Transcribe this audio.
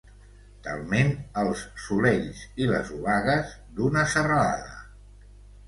Talment els solells i les obagues d'una serralada.